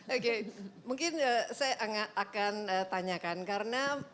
oke mungkin saya akan tanyakan karena